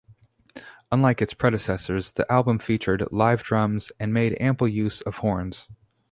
Unlike its predecessors, the album featured live drums, and made ample use of horns.